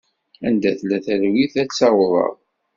Anda tella talwit ad tt-awḍeɣ.